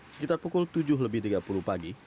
sekitar pukul tujuh lebih tiga puluh pagi